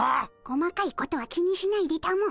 細かいことは気にしないでたも。